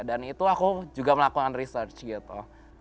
dan itu aku juga melakukan research gitu